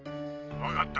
分かった。